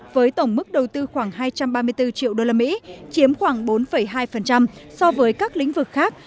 với tổng mức đầu tư khoảng hai trăm ba mươi bốn triệu usd chiếm khoảng bốn hai so với các lĩnh vực khác